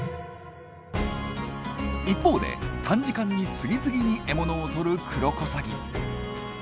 一方で短時間に次々に獲物をとるクロコサギ。